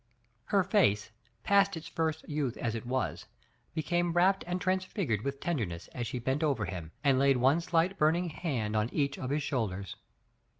Her face, past its first youth as it was, became rapt and transfigured with tenderness as she bent over him and laid one slight burning hand on each of his shoulders.